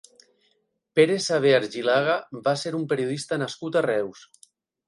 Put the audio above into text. Pere Savé Argilaga va ser un periodista nascut a Reus.